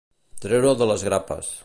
Treure'l de les grapes.